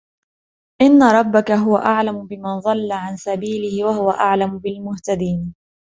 إِنَّ رَبَّكَ هُوَ أَعْلَمُ بِمَنْ ضَلَّ عَنْ سَبِيلِهِ وَهُوَ أَعْلَمُ بِالْمُهْتَدِينَ